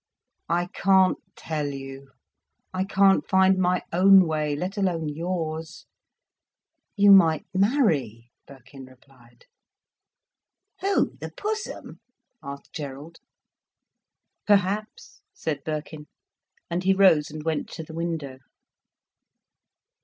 "I can't tell you—I can't find my own way, let alone yours. You might marry," Birkin replied. "Who—the Pussum?" asked Gerald. "Perhaps," said Birkin. And he rose and went to the window.